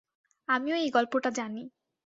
আমিও এই গল্পটা জানি!